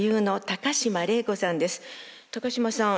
高島さん